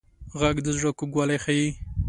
غږ د زړه کوږوالی ښيي